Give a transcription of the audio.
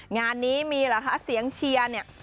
งานนี้มีเหรอคะเสียงเชียร์เนี่ย